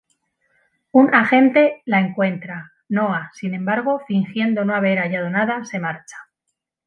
Un agente la encuentra, Noah, sin embargo, fingiendo no haber hallado nada se marcha.